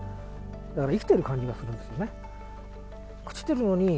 だから生きているような感じがするんですね。